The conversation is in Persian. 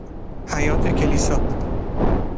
حیاط کلیسا